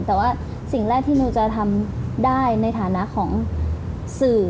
แต่ว่าสิ่งแรกที่หนูจะทำได้ในฐานะของสื่อ